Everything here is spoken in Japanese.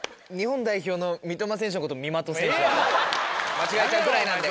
間違えちゃうぐらいなんで。